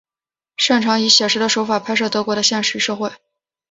擅长以写实的手法拍摄德国的现实社会。